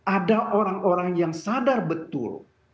ada orang orang yang sadar betul